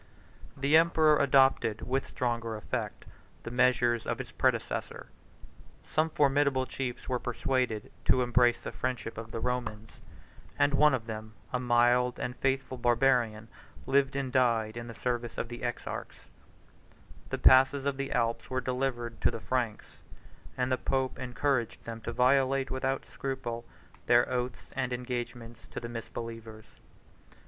The emperor adopted, with stronger effect, the measures of his predecessor: some formidable chiefs were persuaded to embrace the friendship of the Romans; and one of them, a mild and faithful Barbarian, lived and died in the service of the exarchs: the passes of the Alps were delivered to the Franks; and the pope encouraged them to violate, without scruple, their oaths and engagements to the misbelievers.